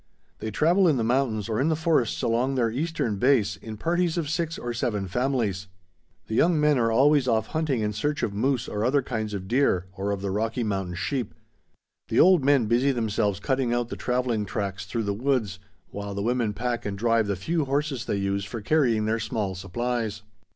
They travel in the mountains or in the forests along their eastern base, in parties of six or seven families. The young men are always off hunting in search of moose or other kinds of deer, or of the Rocky Mountain sheep. The old men busy themselves cutting out the travelling tracks through the woods, while the women pack and drive the few horses they use for carrying their small supplies.